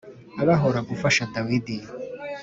abahora gufasha Dawidi